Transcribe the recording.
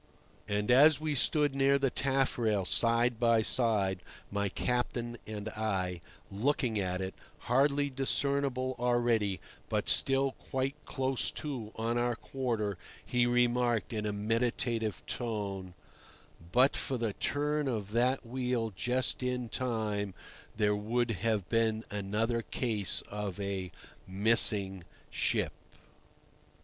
And as we stood near the taffrail side by side, my captain and I, looking at it, hardly discernible already, but still quite close to on our quarter, he remarked in a meditative tone: "But for the turn of that wheel just in time, there would have been another case of a 'missing' ship."